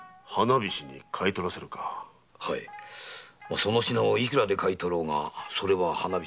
その品をいくらで買い取ろうがそれは花菱の才覚。